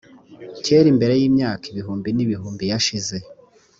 kera mbere y imyaka ibihumbi n ibihumbi yashize